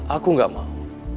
aku gak mau